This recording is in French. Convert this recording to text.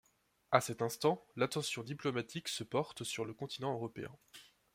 À cet instant, l'attention diplomatique se porte sur le continent européen.